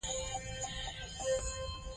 مرګ او ژوبله به پکې ډېره وي.